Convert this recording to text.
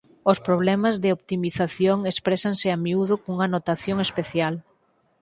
Os problemas de optimización exprésanse a miúdo cunha notación especial.